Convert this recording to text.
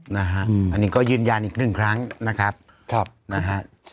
นะฮะอันนี้ก็ยืนยันอีกหนึ่งครั้งนะครับนะฮะ